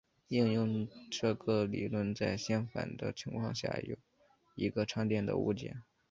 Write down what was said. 应用这个理论在相反的情况下有一个常见的误解。